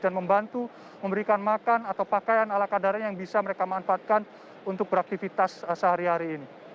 dan membantu memberikan makan atau pakaian ala kadarnya yang bisa mereka manfaatkan untuk beraktivitas sehari hari ini